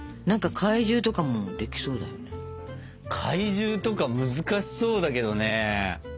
怪獣とか難しそうだけどね。